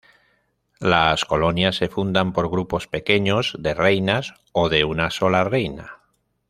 Las colonias se fundan por grupos pequeños de reinas o de una sola reina.